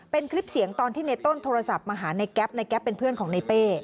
เป็นคลิปเสียงตอนที่ในต้นโทรศัพท์มาหาในแป๊บในแป๊บเป็นเพื่อนของในเป้